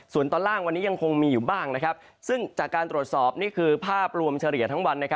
ส่วนตอนล่างวันนี้ยังคงมีอยู่บ้างซึ่งจากการตรวจสอบนี่คือภาพรวมเฉลี่ยทั้งวัน